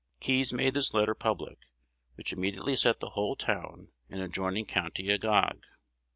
Keys made this letter public, which immediately set the whole town and adjoining county agog.